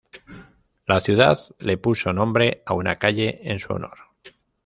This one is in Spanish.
La ciudad le puso nombre a una calle en su honor.